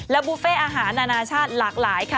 บุฟเฟ่อาหารนานาชาติหลากหลายค่ะ